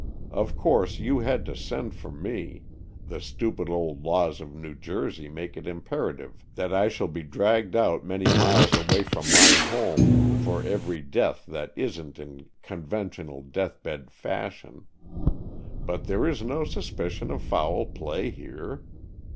Of course you had to send for me—the stupid old laws of New Jersey make it imperative that I shall be dragged out many miles away from my home for every death that isn't in conventional death bed fashion; but there is no suspicion of foul play here.